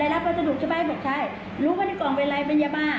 รับประสดุเฉพาะให้บอกใช่รู้ว่าในกล่องเป็นอะไรเป็นยาบ้า